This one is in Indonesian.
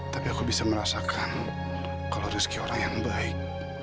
tapi aku bisa merasakan kalau rezeki orang yang baik